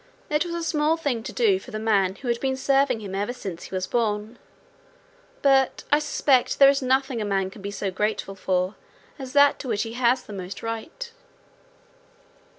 It was a small thing to do for the man who had been serving him since ever he was born, but I suspect there is nothing a man can be so grateful for as that to which he has the most right.